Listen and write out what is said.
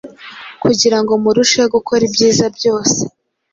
kugira ngo murusheho gukora ibyiza byose,